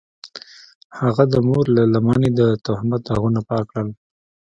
هغه د مور له لمنې د تهمت داغونه پاک کړل.